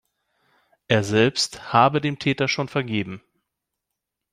Er selbst habe dem Täter schon vergeben.